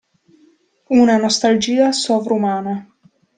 Una nostalgia sovrumana.